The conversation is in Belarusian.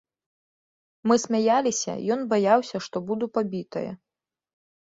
Мы смяяліся, ён баяўся, што буду пабітая.